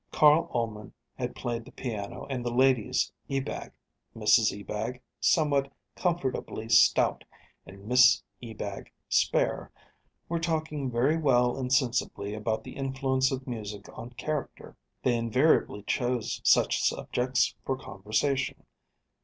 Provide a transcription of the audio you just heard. Carl Ullman had played the piano and the ladies Ebag Mrs Ebag, somewhat comfortably stout and Miss Ebag spare were talking very well and sensibly about the influence of music on character. They invariably chose such subjects for conversation.